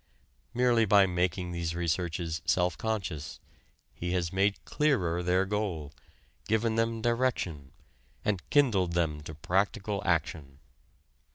Merely by making these researches self conscious, he has made clearer their goal, given them direction, and kindled them to practical action.